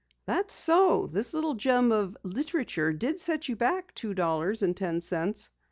"That's so, this little gem of literature did set you back two dollars and ten cents.